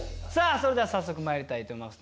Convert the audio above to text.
それでは早速まいりたいと思います。